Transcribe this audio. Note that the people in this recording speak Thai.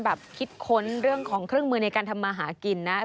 คิดค้นเรื่องของเครื่องมือในการทำมาหากินนะครับ